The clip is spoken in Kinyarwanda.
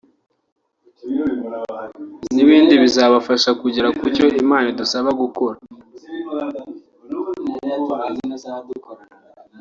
n’ibindi bizabafasha kugera kucyo Imana idusaba gukora